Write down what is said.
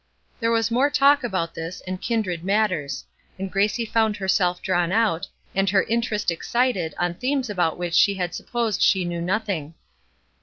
There was more talk about this and kindred matters; and Gracie found herself drawn out, and her interest excited on themes about which she had supposed she knew nothing.